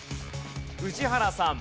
宇治原さん。